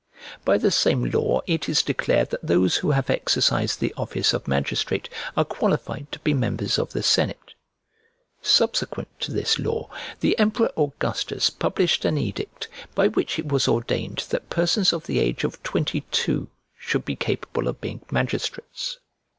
By the same law it is declared that those who have exercised the office of magistrate are qualified to be members of the senate. Subsequent to this law, the emperor Augustus published an edict, by which it was ordained that persons of the age of twenty two should be capable of being magistrates.